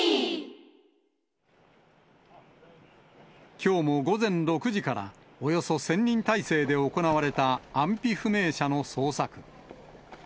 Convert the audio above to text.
きょうも午前６時から、およそ１０００人態勢で行われた安否不明者の捜索。